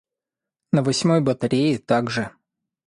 На восьмой батарее так же.